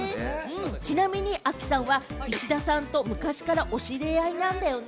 ちなみに亜希さんは石田さんと昔からお知り合いなんだよね？